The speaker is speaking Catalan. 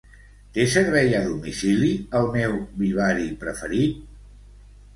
Té servei a domicili el meu Vivari preferit?